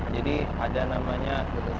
jadi ada namanya